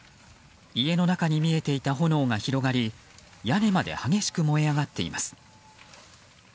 家の中に見えていた炎が広がり屋根まで激しく燃え上がっています。